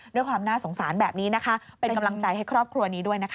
ด้วยความน่าสงสารแบบนี้นะคะเป็นกำลังใจให้ครอบครัวนี้ด้วยนะคะ